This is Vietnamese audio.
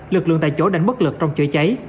lực lượng tại chỗ đánh bất lực trong chữa cháy